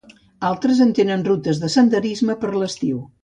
Altres en tenen rutes de senderisme per l"estiu.